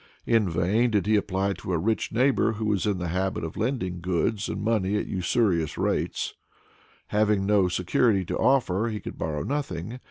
In vain did he apply to a rich neighbor, who was in the habit of lending goods and money at usurious rates; having no security to offer, he could borrow nothing.